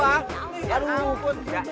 hah ini gak ini gak bagus